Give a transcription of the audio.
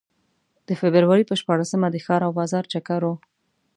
د فبروري په شپاړسمه د ښار او بازار چکر و.